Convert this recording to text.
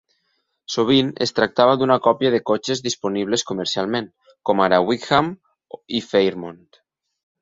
Sovint es tractava d'una còpia de cotxes disponibles comercialment, com ara Wickham i Fairmont.